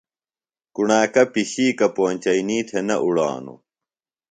کُݨاکہ پِشیکہ پونچئینی تھےۡ نہ اُڑانوۡ۔